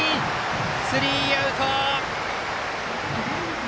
スリーアウト。